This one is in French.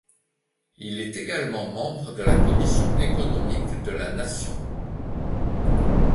Il est également membre de la commission économique de la Nation.